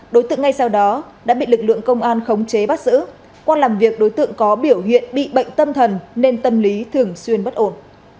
đối tượng ngay sau đó đã bị lực lượng công an khống chế bắt giữ qua làm việc đối tượng có biểu hiện bị bệnh tâm thần nên tâm lý thường xuyên bất ổn